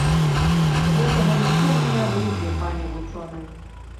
З гэтага нічога не выйдзе, пане вучоны.